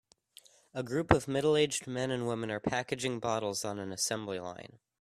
A group of middleaged men and women are packaging bottles on an assembly line.